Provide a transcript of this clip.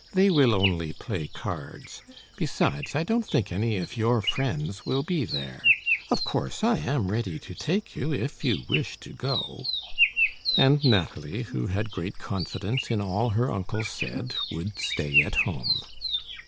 They will only play cards; besides, I don't think any of your friends will be there. Of course, I am ready to take you, if you wish to go." And Nathalie, who had great confidence in all her uncle said, would stay at home.